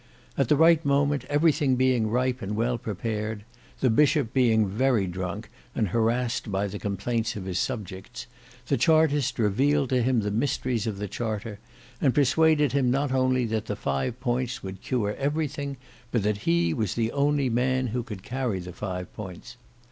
At the right moment, everything being ripe and well prepared, the Bishop being very drunk and harassed by the complaints of his subjects, the Chartist revealed to him the mysteries of the Charter, and persuaded him not only that the Five Points would cure everything, but that he was the only man who could carry the Five Points.